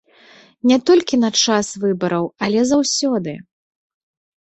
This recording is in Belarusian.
Не толькі на час выбараў, але заўсёды.